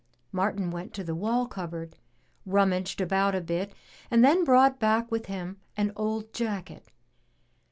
Martin went to the wall cupboard, rummaged about a bit, and then brought back with him an old jacket.